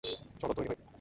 চলো তৈরি হই।